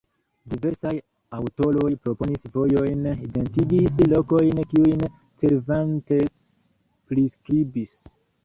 Diversaj aŭtoroj proponis vojojn, identigis lokojn kiujn Cervantes priskribis.